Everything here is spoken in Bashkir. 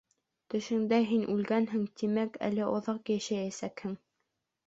Төшөңдә һин үлгәнһең, тимәк, әле оҙаҡ йәшәйәсәкһең.